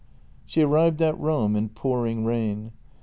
She arrived at Rome in pouring rain.